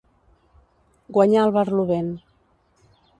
Guanyar el barlovent.